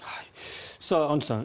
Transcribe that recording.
アンジュさん